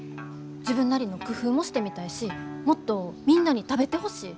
自分なりの工夫もしてみたいしもっとみんなに食べてほしい。